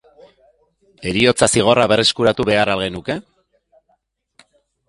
Heriotza zigorra berreskuratu behar al genuke?